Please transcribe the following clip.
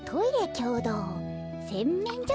きょうどうせんめんじょ